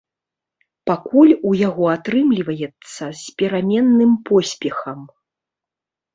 Пакуль у яго атрымліваецца з пераменным поспехам.